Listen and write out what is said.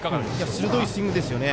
鋭いスイングですよね。